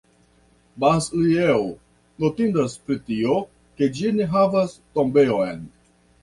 Bas-Lieu notindas pro tio, ke ĝi ne havas tombejon.